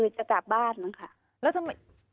เจ้าหน้าที่แรงงานของไต้หวันบอก